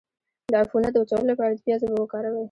د عفونت د وچولو لپاره د پیاز اوبه وکاروئ